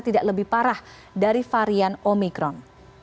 tidak lebih parah dari varian omikron